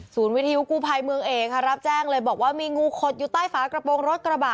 วิทยุกู้ภัยเมืองเอกค่ะรับแจ้งเลยบอกว่ามีงูขดอยู่ใต้ฝากระโปรงรถกระบะ